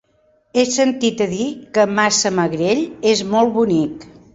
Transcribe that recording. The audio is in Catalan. He sentit a dir que Massamagrell és molt bonic.